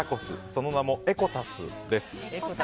その名も江コタスです。